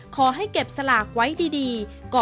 ขอให้เก็บสลากไว้ดี